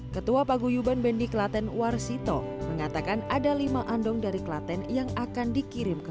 ketua paguyuban bendi klaten warsito mengatakan ada lima andong dari klaten yang akan dikirim ke